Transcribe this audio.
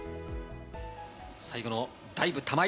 最後のダイブ、玉井。